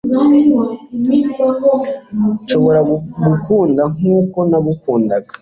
nshobora gukunda nkuko nakundaga